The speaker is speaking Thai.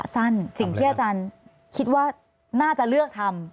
สั้นสิ่งที่อาจารย์คิดว่าน่าจะเลือกทำ